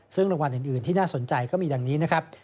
ซึ่งรางวัลอื่นที่น่าสนใจก็มีดังนี้นะครับ